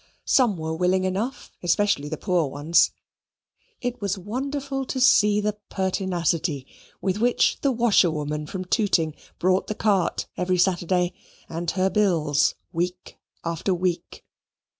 Some were willing enough, especially the poor ones. It was wonderful to see the pertinacity with which the washerwoman from Tooting brought the cart every Saturday, and her bills week after week.